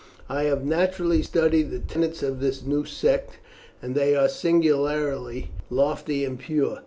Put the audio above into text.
I have naturally studied the tenets of this new sect, and they are singularly lofty and pure.